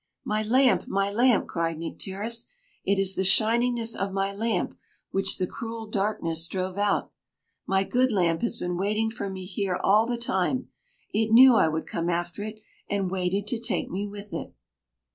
"My lamp! my lamp!" cried Nycteris. "It is the shiningness of my lamp, which the cruel darkness drove out. My good lamp has been waiting for me here all the time! It knew I would come after it, and waited to take me with it."